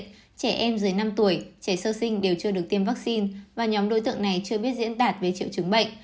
trẻ em dưới năm tuổi trẻ sơ sinh đều chưa được tiêm vaccine và nhóm đối tượng này chưa biết diễn đạt về triệu chứng bệnh